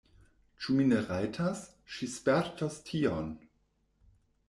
Ĉu mi ne rajtas? Ŝi spertos tion!